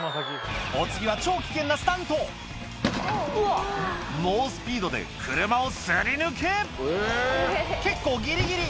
お次は超危険なスタント猛スピードで車を擦り抜け結構ギリギリ！